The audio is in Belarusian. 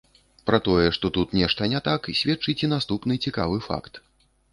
Пра тое, што тут нешта не так, сведчыць і наступны цікавы факт.